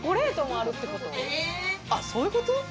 あっそういうこと？